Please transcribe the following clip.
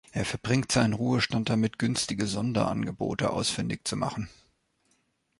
Er verbringt seinen Ruhestand damit, günstige Sonderangebote ausfindig zu machen.